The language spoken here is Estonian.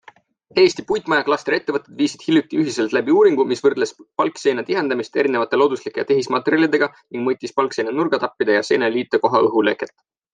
Eesti puitmajaklastri ettevõtted viisid hiljuti ühiselt läbi uuringu, mis võrdles palkseina tihendamist erinevate looduslike ja tehismaterjalidega ning mõõtis palkseina nurgatappide ja seina liitekoha õhuleket.